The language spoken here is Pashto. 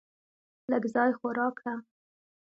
لږ ځای خو راکړه .